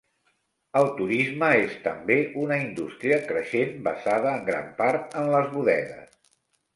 El turisme és també una indústria creixent basada en gran part en les bodegues.